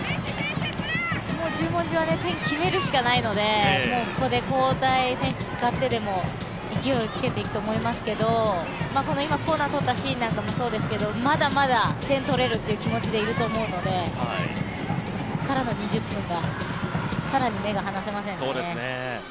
十文字は点決めるしかないので、ここで交代選手使ってでも勢いをつけていくと思いますけど今、コーナー取ったシーンとかもそうですけど、まだまだ点を取れるという気持ちでいると思うので、ここからの２０分が更に目が離せませんね。